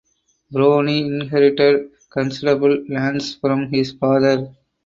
Browne inherited considerable lands from his father.